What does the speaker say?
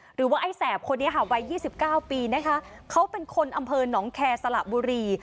หรือว่าไอ้แสบคนนี้ค่ะวัย๒๙ปีนะคะเขาเป็นคนอำเภอหนองแคร์สละบุรี